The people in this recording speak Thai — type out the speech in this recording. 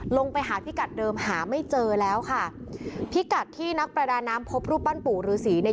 ลงไปหาพิกัดเดิมหาไม่เจอแล้วค่ะพิกัดที่นักประดาน้ำพบรูปปั้นปู่ฤษีเนี่ย